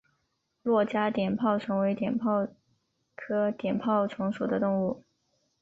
珞珈碘泡虫为碘泡科碘泡虫属的动物。